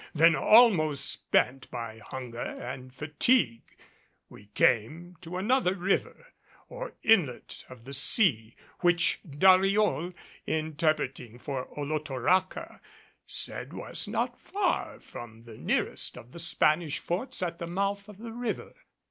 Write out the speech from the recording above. Then almost spent by hunger and fatigue we came to another river, or inlet of the sea which Dariol interpreting for Olotoraca said was not far from the nearest of the Spanish forts at the mouth of the river.